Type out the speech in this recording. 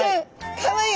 かわいい。